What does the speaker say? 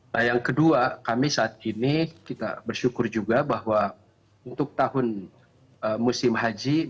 nah yang kedua kami saat ini kita bersyukur juga bahwa untuk tahun musim haji